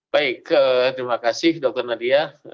baik terima kasih dokter nadia